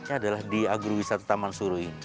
adalah di agrowisata taman suruh ini